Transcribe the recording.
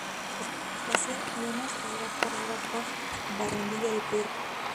Posee, además, una hermosa escalera con barandilla de piedra labrada.